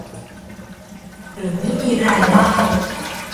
หรือไม่มีรายได้